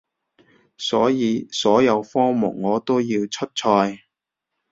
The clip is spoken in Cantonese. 所以所有科目我都要出賽